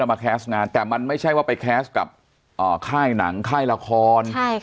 แล้วไทยต่างกันไม่ใช่ว่าไปแคสกับไข้หนังไข้ละคร